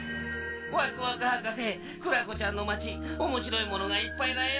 ワクワクはかせクラコちゃんのまちおもしろいものがいっぱいだよ。